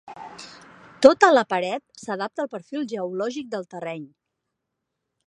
Tota la paret s'adapta al perfil geològic del terreny.